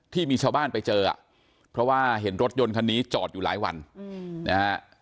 ที่มีชาวบ้านไปเจออ่ะเพราะว่าเห็นรถยนต์คันนี้จอดอยู่หลายวันนะฮะ